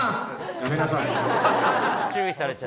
やめなさい。